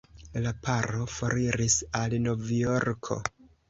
La paro foriris al Novjorko.